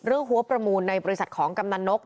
หัวประมูลในบริษัทของกำนันนก